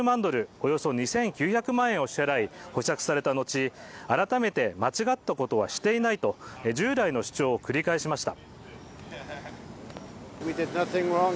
およそ２９００万円を支払い保釈された後改めて間違ったことはしていないと従来の主張を繰り返しました